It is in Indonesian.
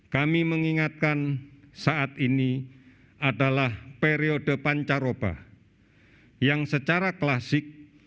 kami mengingatkan saat ini adalah periode pancaroba yang secara klasik